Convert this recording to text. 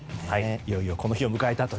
いよいよこの日を迎えたと。